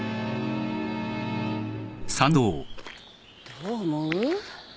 どう思う？